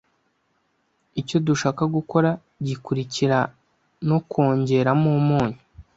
Icyo dushaka gukora gikurikira nukongeramo umunyu.